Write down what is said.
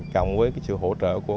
cộng với sự hỗ trợ của